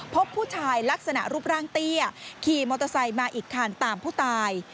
พบผู้ชายลักษณะรูปร่างเตี้ยขี่มอเตอร์ไซค์มาอีกคันตามผู้ตาย